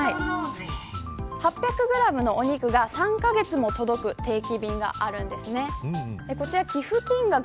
８００グラムのお肉が３カ月も届く定期便があるんです。